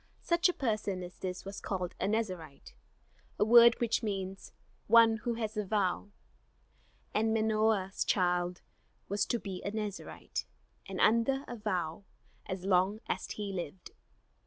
Such a person as this was called a Nazarite, a word which means "one who has a vow"; and Manoah's child was to be a Nazarite, and under a vow, as long as he lived.